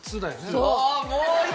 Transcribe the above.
そう。